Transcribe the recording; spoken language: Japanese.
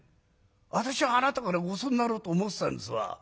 私はあなたからごちそうになろうと思ってたんですわ。